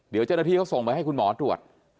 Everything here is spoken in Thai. เดี๋ยวเจ้าหน้าที่เขาส่งไปให้คุณหมอตรวจ